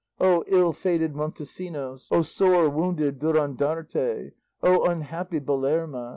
O ill fated Montesinos! O sore wounded Durandarte! O unhappy Belerma!